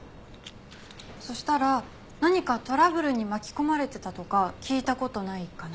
そしたら何かトラブルに巻き込まれてたとか聞いた事ないかな？